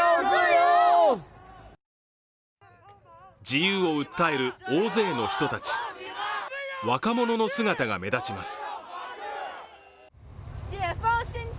自由を訴える大勢の人たち、若者の姿が目立ちます。